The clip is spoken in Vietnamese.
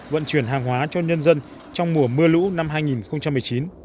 vận chuyển hàng hóa cho nhân dân trong mùa mưa lũ năm hai nghìn một mươi chín